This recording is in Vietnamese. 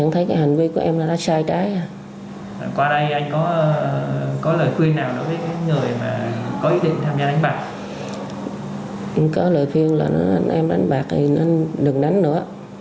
tôi có lời khuyên là em đánh bạc thì đừng đánh nữa